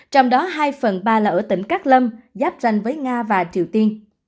trong đó hai phần ba là ở tỉnh cát lâm giáp ranh với nga và triều tiên